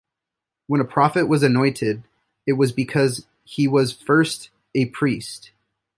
When a prophet was anointed, it was because he was first a priest.